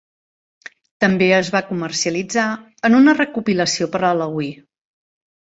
També es va comercialitzar en una recopilació per a la Wii.